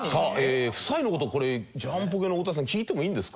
夫妻の事これジャンポケの太田さん聞いてもいいんですか？